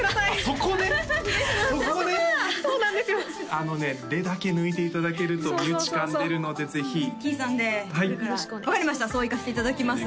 あのね「れ」だけ抜いていただけると身内感出るのでぜひキイさんで分かりましたそういかしていただきます